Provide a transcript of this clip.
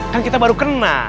kan kita baru kenal